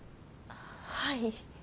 はい。